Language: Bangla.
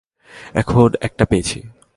এমন একটা পেয়েছি।